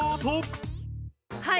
はい。